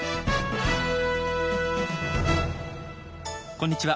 こんにちは